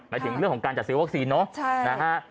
หมายถึงเรื่องของการจัดเสียววัคซีนเนาะ